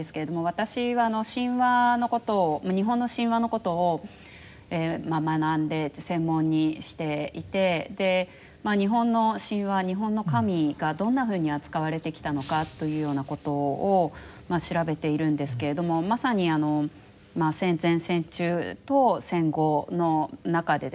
私は神話のことを日本の神話のことを学んで専門にしていて日本の神話日本の神がどんなふうに扱われてきたのかというようなことを調べているんですけれどもまさに戦前戦中と戦後の中でですね